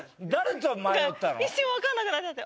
一瞬わかんなくなっちゃって。